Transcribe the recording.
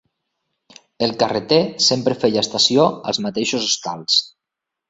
El carreter sempre feia estació als mateixos hostals.